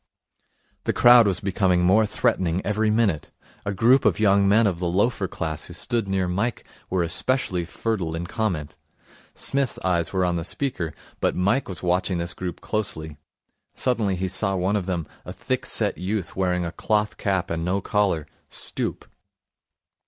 The crowd was becoming more threatening every minute. A group of young men of the loafer class who stood near Mike were especially fertile in comment. Psmith's eyes were on the speaker; but Mike was watching this group closely. Suddenly he saw one of them, a thick set youth wearing a cloth cap and no collar, stoop.